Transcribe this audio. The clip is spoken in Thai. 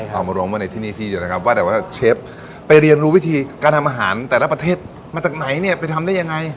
เอามาร้องไว้ในที่นี่ที่เลยนะครับว่าแต่ว่าเชฟไปเรียนรู้วิธีการทำอาหารแต่ละประเทศมาจากไหนเนี่ยไปทำได้ยังไง